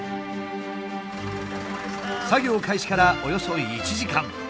作業開始からおよそ１時間。